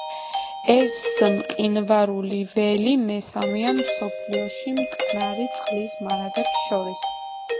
ეს მყინვარული ველი მესამეა მსოფლიოში მტკნარი წყლის მარაგებს შორის.